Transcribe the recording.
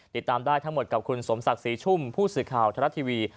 ติดตามได้ทั้งหมดกับคุณสมศักดิ์ศรีชุ่มผู้สื่อข่าวทรัฐทีวี